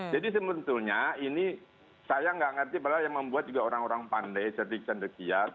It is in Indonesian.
jadi sebetulnya ini saya nggak ngerti padahal yang membuat juga orang orang pandai cerdik dan dekiat